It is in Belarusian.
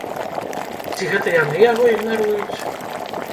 Ці гэта яны яго ігнаруюць?